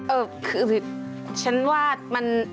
เออคือแบบฉันว่ามัน